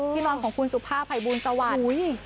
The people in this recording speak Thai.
ที่นอนของคุณสุภาพไพบูลสวรรค์